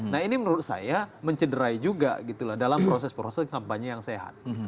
nah ini menurut saya mencederai juga gitu loh dalam proses proses kampanye yang sehat